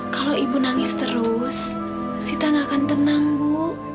kalau ibu nangis terus sita gak akan tenang bu